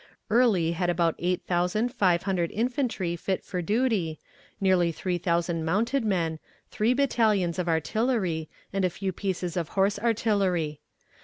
Early had about eight thousand five hundred infantry fit for duty, nearly three thousand mounted men, three battalions of artillery, and a few pieces of horse artillery.